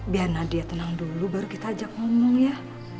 biar nadia tenang dulu baru kita ajak ngomong ya